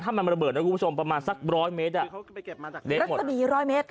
ถ้ามันระเบิดคุณผู้ชมประมาณสักร้อยเมตรรักษะบีร้อยเมตร